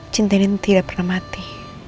cinta ini tidak pernah mati